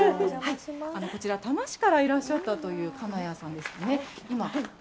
こちら、多摩市からいらっしゃったという金矢さんです。